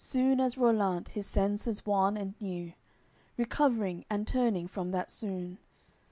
CLII Soon as Rollant his senses won and knew, Recovering and turning from that swoon.